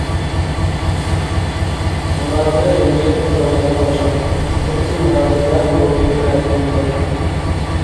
مۇنازىرە ئىلمىيلىكنى تاۋلايدىغان ئوچاق، چۈنكى مۇنازىرىدە لوگىكا تەكىتلىنىدۇ.